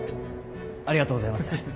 ありがとうございます。